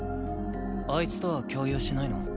あいつとは共有しないの？